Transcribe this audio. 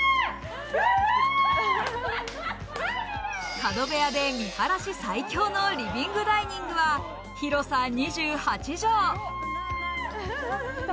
角部屋で見晴らし最強のリビングダイニングは広さ２８畳。